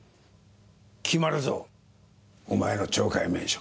決まるぞお前の懲戒免職が。